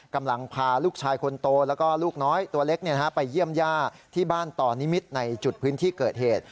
กำลังพาลูกชายคนโตแล้วก็ลูกน้อยตัวเล็กไปเยี่ยมย่าที่บ้านต่อนิมิตรในจุดพื้นที่เกิดเหตุ